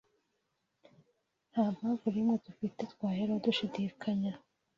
Nta mpamvu n’imwe dufite twaheraho dushidikanya